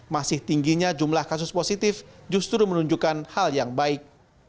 masih tingginya jumlah kasus positif justru menunjukkan hal yang baik